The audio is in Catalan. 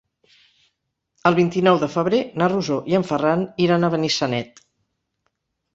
El vint-i-nou de febrer na Rosó i en Ferran iran a Benissanet.